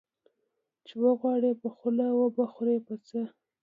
ـ چې وغواړې په خوله وبه خورې په څه.